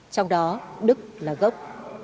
trong đó đức là gốc